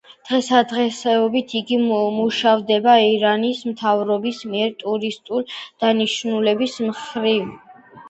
დღესდღეობით იგი მუშავდება ირანის მთავრობის მიერ ტურისტული დანიშნულების მხრივ.